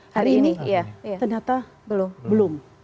hari ini ternyata belum